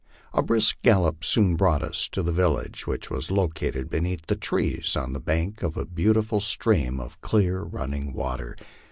A brisk gallop soon brought us to the village, which was located beneath the trees on the bank of a beautiful stream of clear running water.